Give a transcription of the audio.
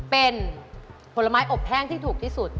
เป็นผลไม้อบแห้งที่ถูกที่สุด